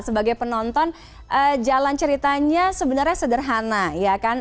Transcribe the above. sebagai penonton jalan ceritanya sebenarnya sederhana ya kan